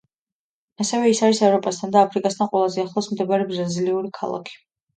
ასევე ის არის ევროპასთან და აფრიკასთან ყველაზე ახლოს მდებარე ბრაზილიური ქალაქი.